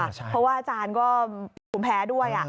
เพราะว่าอาจารย์ก็มีภูมิแพ้ด้วย